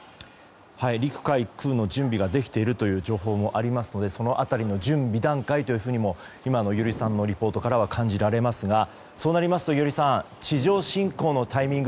陸海空の準備ができているという情報もありますのでその辺りの準備段階というふうにも今の伊従さんのリポートからは感じられますがそうなりますと伊従さん地上侵攻のタイミング